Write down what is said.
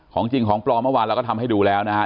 ของจริงของปลอมเมื่อวานเราก็ทำให้ดูแล้วนะครับ